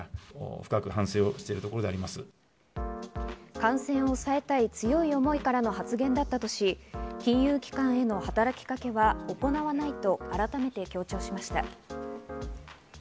感染おさえたい強い思いからの発言だったとし、金融機関への働きかけを行わないと改めて強調しました。